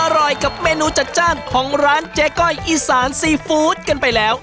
อร่อยกับเมนูจัดจ้านของร้านเจ๊ก้อยอีสานซีฟู้ดกันไปแล้ว